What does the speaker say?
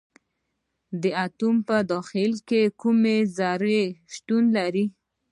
د اتوم په داخل کې کومې ذرې شتون لري.